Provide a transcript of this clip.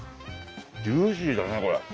ジューシーだねこれ。